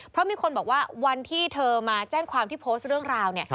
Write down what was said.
เพราะมีคนบอกว่าวันที่เธอมาแจ้งความที่โพสต์เรื่องราวเนี่ย